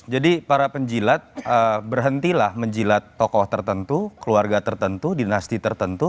jadi para penjilat berhentilah menjilat tokoh tertentu keluarga tertentu dinasti tertentu